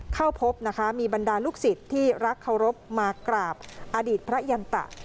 เข้าพบนะคะมีบรรดาลูกศิษย์ที่รักเคารพมากราบอดีตพระยันตะ